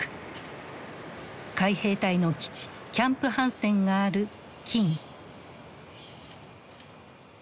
海兵隊の基地キャンプ・ハンセンがある金武。